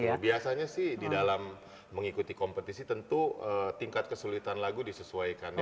ya biasanya sih di dalam mengikuti kompetisi tentu tingkat kesulitan lagu disesuaikan ya